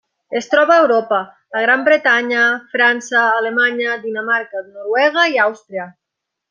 Es troba a Europa: la Gran Bretanya, França, Alemanya, Dinamarca, Noruega i Àustria.